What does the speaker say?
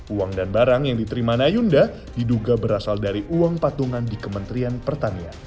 uang dan barang yang diterima nayunda diduga berasal dari uang patungan di kementerian pertanian